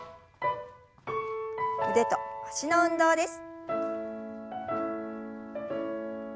腕と脚の運動です。